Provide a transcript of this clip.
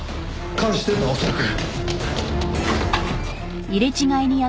監視してるのは恐らく。